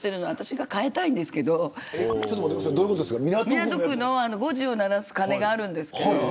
港区の５時を鳴らす鐘があるんですけど。